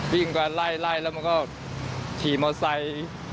วิ่งกันไล่แล้วมันก็ขี่มอไซค์